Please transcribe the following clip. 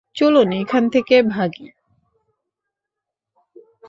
চলুন এখান থেকে ভাগি।